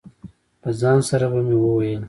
له ځان سره به مې وویل.